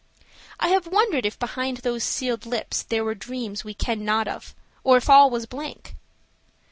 I have wondered if behind those sealed lips there were dreams we ken not of, or if all was blank?